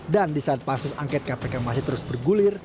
dan di saat pasus angket kpk masih terus bergulir